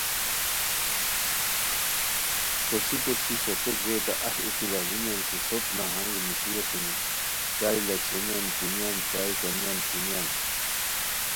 کوسی کوسی سوتو گیٹہ اہی اوتی لاڑینیان کی سوت نہنگ نیشی اسونی چائے لاچھینیان پینیان، چائے کونیان پینیان